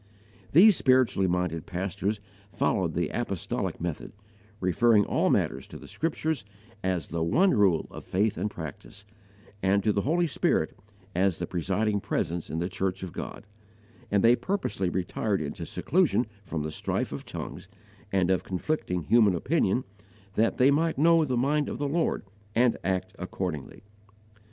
These spiritually minded pastors followed the apostolic method, referring all matters to the Scriptures as the one rule of faith and practice, and to the Holy Spirit as the presiding Presence in the church of God; and they purposely retired into seclusion from the strife of tongues and of conflicting human opinion, that they might know the mind of the Lord and act accordingly.